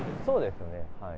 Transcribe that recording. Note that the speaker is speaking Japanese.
そうですね。